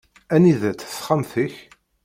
Anida-tt texxamt-ik?